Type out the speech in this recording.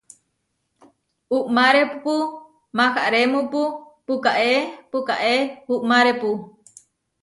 Uʼmárepu maharémupu puʼkáe puʼkáe uʼmárepu.